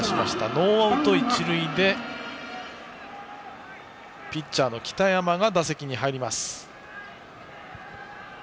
ノーアウト一塁でピッチャーの北山が打席へ。